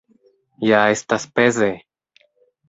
Ja estas peze!